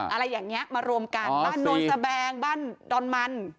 อะไรอย่างนี้มารวมกันบ้านโนนสแบงบ้านดอนมัน